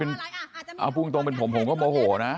เอ้าภูมิตรงเป็นผมแล้วก็โบโหนะ